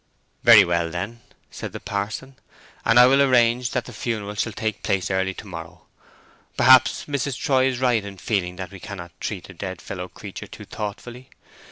"Very well, then," said the parson. "And I will arrange that the funeral shall take place early to morrow. Perhaps Mrs. Troy is right in feeling that we cannot treat a dead fellow creature too thoughtfully.